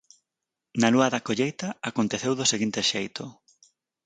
Na lúa da colleita, aconteceu do seguinte xeito.